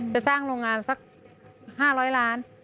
จะสร้างโรงงานสัก๕๐๐ล้าน